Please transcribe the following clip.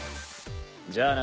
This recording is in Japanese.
じゃあな。